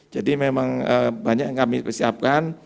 jadi memang banyak yang kami siapkan